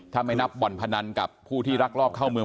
ถ้าไม่นับบ่อนพนันกับผู้ที่รักรอบเข้าเมือง